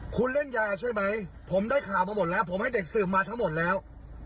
คุณเล่นยาใช่ไหมผมได้ข่าวมาหมดแล้วผมให้เด็กสืบมาทั้งหมดแล้ว